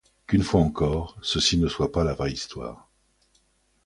Qu’une fois encore, ceci ne soit pas la vraie Histoire.